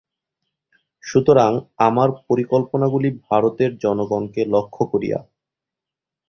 সুতরাং আমার পরিকল্পনাগুলি ভারতের জনগণকে লক্ষ্য করিয়া।